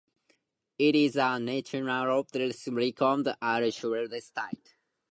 It is a nationally recognized archaeological site.